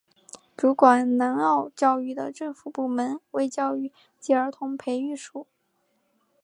主管南澳教育的政府部门为教育及儿童培育署。